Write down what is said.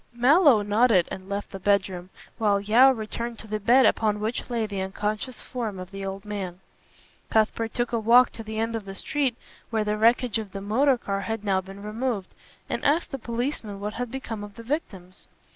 Mallow nodded and left the bedroom, while Yeo returned to the bed upon which lay the unconscious form of the old man. Cuthbert took a walk to the end of the street where the wreckage of the motor car had now been removed, and asked the policeman what had become of the victims.